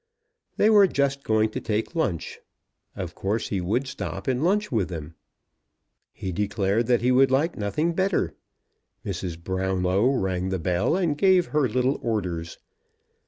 They were just going to take lunch. Of course he would stop and lunch with them. He declared that he would like nothing better. Mrs. Brownlow rang the bell, and gave her little orders.